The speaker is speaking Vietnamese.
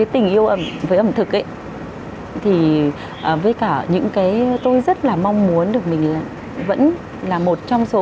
tình yêu với ẩm thực tôi rất mong muốn được mình vẫn là một trong số